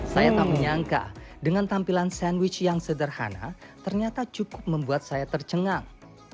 saya tak menyangka dengan tampilan sandwich yang sederhana ternyata cukup membuat saya tercengang